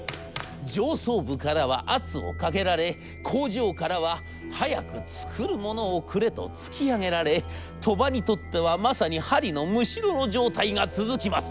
上層部からは圧をかけられ工場からは『早く作るものをくれ』と突き上げられ鳥羽にとってはまさに針のむしろの状態が続きます。